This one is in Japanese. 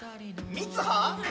三葉？